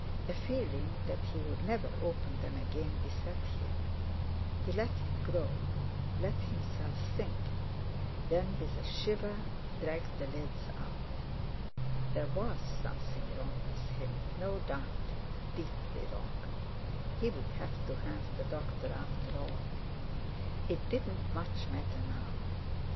A feeling that he would never open them again beset him; he let it grow, let himself sink; then, with a shiver, dragged the lids up. There was something wrong with him, no doubt, deeply wrong; he would have to have the doctor after all. It didn't much matter now!